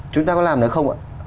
chúng ta có làm được không ạ